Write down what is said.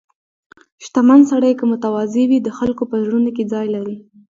• شتمن سړی که متواضع وي، د خلکو په زړونو کې ځای لري.